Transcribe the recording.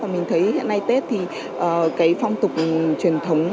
mình thấy hiện nay tết thì cái phong tục truyền thống